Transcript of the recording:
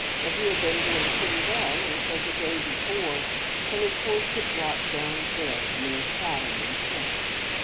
That he had been doing pretty well until the day before, when his horse had dropped down dead near Chatham, in Kent.